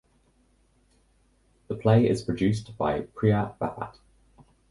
The play is produced by Priya Bapat.